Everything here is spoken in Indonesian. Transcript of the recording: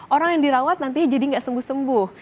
orang yang dirawat nantinya jadi nggak sembuh sembuh